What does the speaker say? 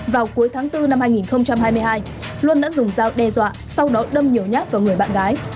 vào cuối tháng bốn năm hai nghìn hai mươi hai luân đã dùng dao đe dọa sau đó đâm nhiều nhát vào người bạn gái